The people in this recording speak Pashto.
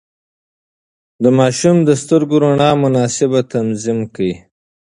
د ماشوم د سترګو رڼا مناسب تنظيم کړئ.